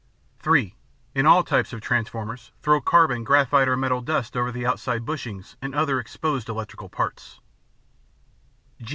(3) In all types of transformers, throw carbon, graphite or metal dust over the outside bushings and other exposed electrical parts.